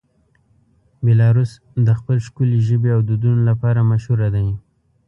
بیلاروس د خپل ښکلې ژبې او دودونو لپاره مشهوره دی.